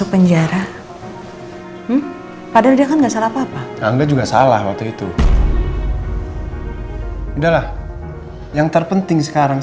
kalau kamu memang laki laki yang baik